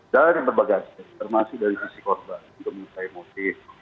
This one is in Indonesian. dari berbagai aspek termasuk dari sisi korban untuk mengutai motif